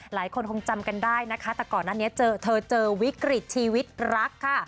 หลายคนคงจำกันได้นะคะแต่ก่อนหน้านี้เจอเธอเจอวิกฤตชีวิตรักค่ะ